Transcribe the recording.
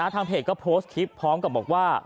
ทางเพจก็โพสต์คลิปพร้อมกับบอกว่า